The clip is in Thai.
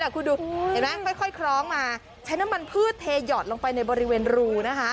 ครู่ดูค่อยคร้องมาใช้น้ำมันพืชเทหยอดลงไปในบริเวณรู